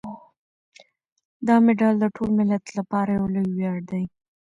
دا مډال د ټول ملت لپاره یو لوی ویاړ دی.